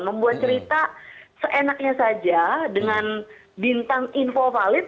membuat cerita seenaknya saja dengan bintang info valid